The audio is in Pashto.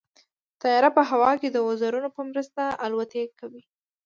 طیاره په هوا کې د وزرونو په مرسته الوت کوي.